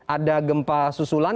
ada gempa susulan